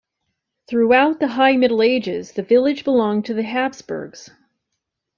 Throughout the High Middle Ages the village belonged to the Habsburgs.